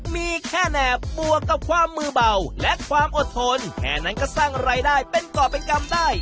มีแค่แหนบบวกกับความมือเบาและความอดทนแค่นั้นก็สร้างรายได้เป็นก่อเป็นกรรมได้